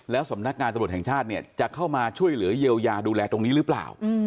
สำนักงานตำรวจแห่งชาติเนี่ยจะเข้ามาช่วยเหลือเยียวยาดูแลตรงนี้หรือเปล่า